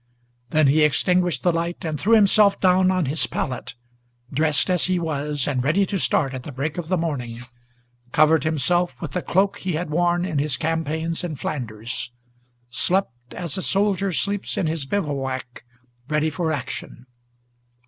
Then he extinguished the light, and threw himself down on his pallet, Dressed as he was, and ready to start at the break of the morning, Covered himself with the cloak he had worn in his campaigns in Flanders, Slept as a soldier sleeps in his bivouac, ready for action.